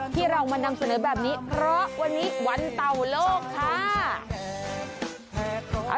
ที่เรามานำเสนอแบบนี้เพราะวันนี้วันเต่าโลกค่ะ